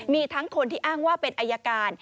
มีทั้งคนที่อ้างว่าเป็นอายการ